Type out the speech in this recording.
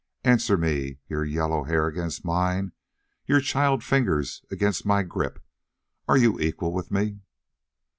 "Answer me your yellow hair against mine your child fingers against my grip are you equal with me?"